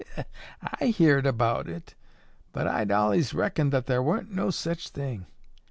"I heerd about it, but I'd allays reckoned thar wa'n't no sech thing.